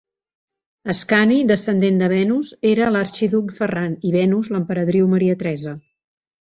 Ascani, descendent de Venus, era l'arxiduc Ferran, i Venus, l'emperadriu Maria Teresa.